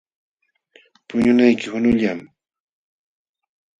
Puñunayki qunullam.